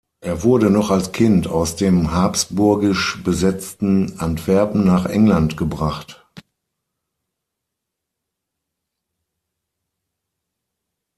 Er wurde noch als Kind aus dem habsburgisch besetzten Antwerpen nach England gebracht.